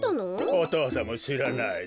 おとうさんもしらないぞ。